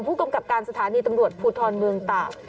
ผู้กำกับการสถานีตำรวจภูทรเมืองตาก